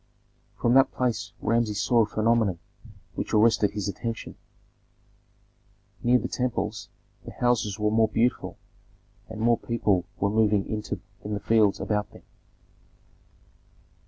From that place Rameses saw a phenomenon which arrested his attention. Near the temples the houses were more beautiful, and more people were moving in the fields about them.